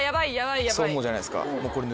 そう思うじゃないですかもう。